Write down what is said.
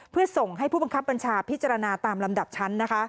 เพื่อส่งให้ผู้บังคับบัญชาพิจารณาตามลำดับชั้น